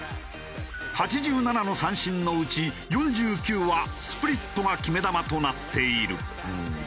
８７の三振のうち４９はスプリットが決め球となっている。